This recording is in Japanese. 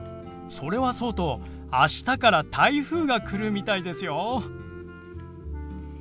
それはそうとあしたから台風が来るみたいですよ。